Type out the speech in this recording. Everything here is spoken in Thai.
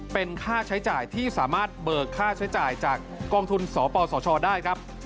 เป็นค่าใช้จ่ายที่สามารถเบิกค่าใช้จ่ายจากกองทุนสปสชได้ครับ